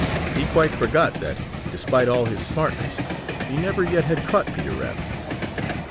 He quite forgot that, despite all his smartness, he never yet had caught Peter Rabbit.